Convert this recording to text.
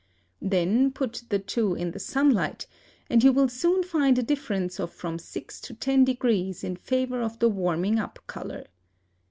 Then put the two in the sunlight and you will soon find a difference of from six to ten degrees in favor of the warming up color.